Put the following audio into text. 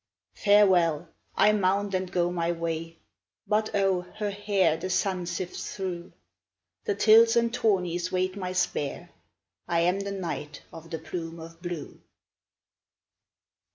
Farewell, I mount and go my way, But oh her hair the sun sifts thro' The tilts and tourneys wait my spear, I am the Knight of the Plume of Blue.